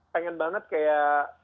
pengen banget kayak